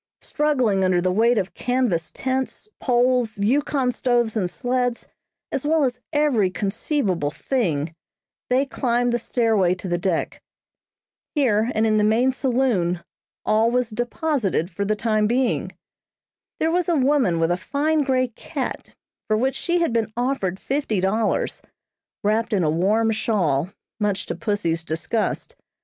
Struggling under the weight of canvas tents, poles, Yukon stoves and sleds, as well as every conceivable thing, they climbed the stairway to the deck. Here, and in the main saloon, all was deposited for the time being. There was a woman with a fine grey cat, for which she had been offered fifty dollars, wrapped in a warm shawl, much to pussy's disgust.